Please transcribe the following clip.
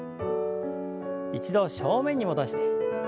一度正面に戻して。